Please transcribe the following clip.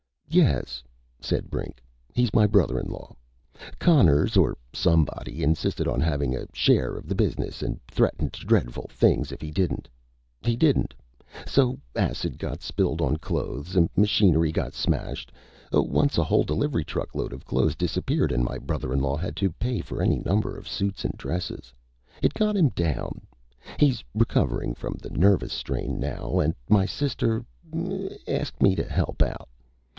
"Yes," said Brink. "He's my brother in law. Connors or somebody insisted on having a share of the business and threatened dreadful things if he didn't. He didn't. So acid got spilled on clothes. Machinery got smashed. Once a whole delivery truck load of clothes disappeared and my brother in law had to pay for any number of suits and dresses. It got him down. He's recovering from the nervous strain now, and my sister ... eh, asked me to help out.